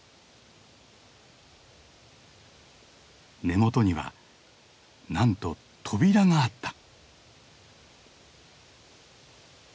根元にはなんと扉があった。